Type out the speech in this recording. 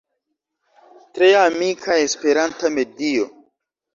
Tre amika Esperanta medio.